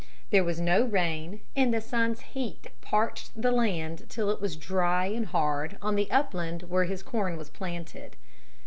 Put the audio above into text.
There was no rain and the sun's heat parched the land till it was dry and hard on the upland where his corn was planted.